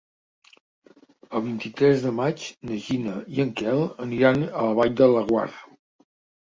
El vint-i-tres de maig na Gina i en Quel aniran a la Vall de Laguar.